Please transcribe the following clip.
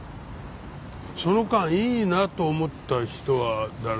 その間いいなと思った人は誰か。